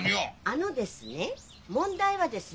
あのですね問題はですね